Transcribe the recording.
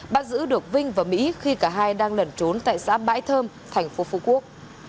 bạn giữ được vinh và mỹ khi cả hai đang lẩn trốn tại xã bãi thơm tp phu quốc